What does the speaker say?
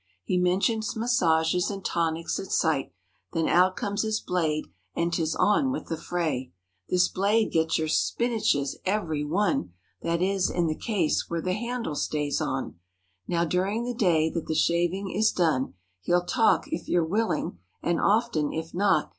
He mentions massages and tonics, at sight. Then out comes his "blade" and " 'tis on with the fray." This "blade" gets your "spinaches"—every one— That is, in the case where the handle stays on. Now during the time that the shaving is done. He'll talk, if you're willing, and often if not.